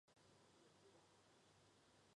其中最高的水坝大部分坐落该国西南内腹。